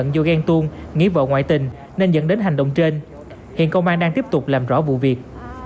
do ghen tuôn nghĩ vợ ngoại tình nên dẫn đến hành động trên hiện công an đang tiếp tục làm rõ vụ việc